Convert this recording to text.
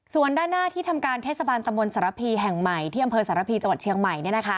ส่วนด้านหน้าที่ทำการเทศบาลตะมนต์สารพีแห่งใหม่ที่อำเภอสารพีจังหวัดเชียงใหม่